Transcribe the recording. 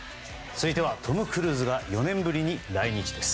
続いてはトム・クルーズが４年ぶりに来日です。